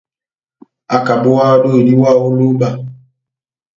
ákabówáhá dóhi diwáha ó lóba